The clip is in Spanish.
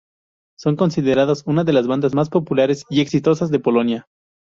Son considerados una de las bandas más populares y exitosas de Polonia.